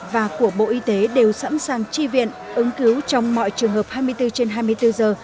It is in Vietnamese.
và của bộ y tế đều sẵn sàng chi viện ứng cứu trong mọi trường hợp hai mươi bốn trên hai mươi bốn giờ